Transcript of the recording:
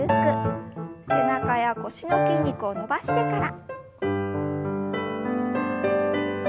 背中や腰の筋肉を伸ばしてから。